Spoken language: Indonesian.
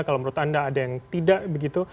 kalau menurut anda ada yang tidak begitu